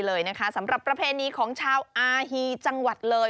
เลยนะคะสำหรับประเพณีของชาวอาฮีจังหวัดเลย